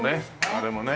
あれもね。